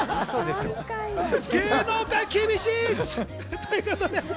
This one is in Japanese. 芸能界厳しい！